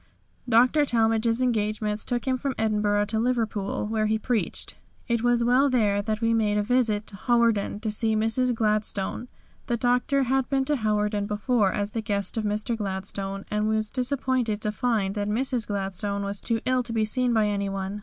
Dr. Talmage's engagements took him from Edinburgh to Liverpool, where he preached. It was while there that we made a visit to Hawarden to see Mrs. Gladstone. The Doctor had been to Hawarden before as the guest of Mr. Gladstone, and was disappointed to find that Mrs. Gladstone was too ill to be seen by anyone.